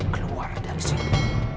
keluar dari sini